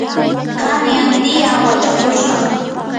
qanyan tiyaa wachakushqam.